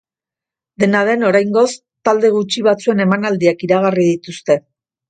Dena den, oraingoz talde gutxi batzuen emanaldiak iragarri dituzte.